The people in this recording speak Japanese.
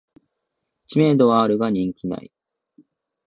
知名度はあるが人気ない